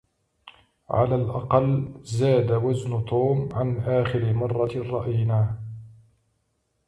على الأقل، زاد وزن توم عن آخر مرة رأيناه.